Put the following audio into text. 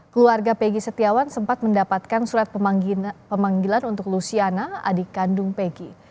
keluarga pegi setiawan sempat mendapatkan surat pemanggilan untuk luciana adik kandung peggy